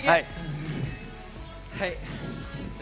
はい。